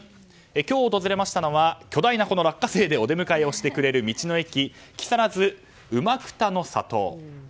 今日訪れましたのは巨大な落花生でお出迎えしてくれる道の駅木更津うまくたの里。